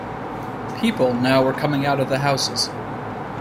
People now were coming out of the houses.